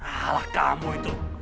alah kamu itu